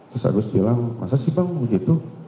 terus agus bilang masa sih bang begitu